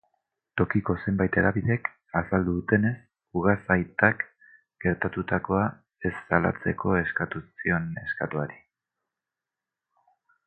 Tokiko zenbait hedabidek azaldu dutenez, ugazaitak gertatutakoa ez salatzeko eskatu zion neskatoari.